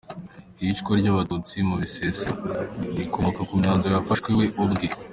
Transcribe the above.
Iyicwa ry’Abatutsi mu Bisesero rikomoka ku myanzuro yafashe we ubwe.